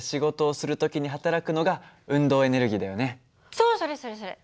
そうそれそれそれ！